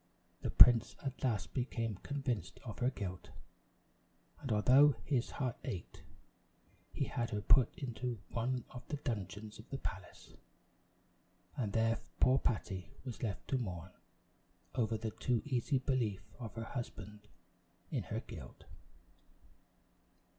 The prince at last became convinced of her guilt; and although his heart ached, he had her put into one of the dungeons of the palace; and there poor Patty was left to mourn over the too easy belief of her husband in her guilt.